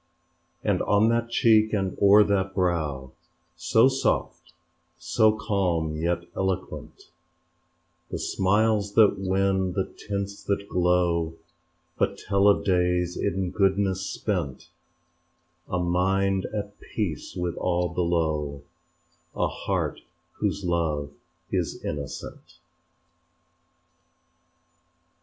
And on that cheek and o'er that brow So soft, so calm yet eloquent, The smiles that win, the tints that glow But tell of days in goodness spent A mind at peace with all below, A heart whose love is innocent.